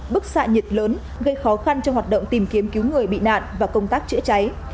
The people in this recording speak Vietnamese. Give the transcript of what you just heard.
bức xạ nhiệt lớn gây khó khăn cho hoạt động tìm kiếm cứu người bị nạn và công tác chữa cháy